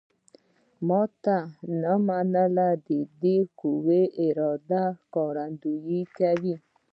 ماته نه منل د قوي ارادې ښکارندوی کوي